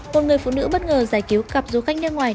một người phụ nữ bất ngờ giải cứu cặp du khách nước ngoài